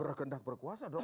berkendak berkuasa dong